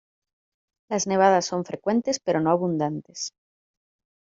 Las nevadas son frecuentes pero no abundantes.